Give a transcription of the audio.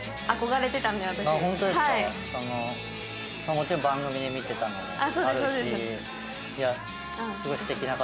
もちろん番組で見てたのもあるしいや。